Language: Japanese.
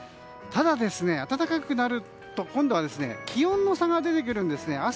ただ、暖かくなると今度は気温の差が出てくるんですね。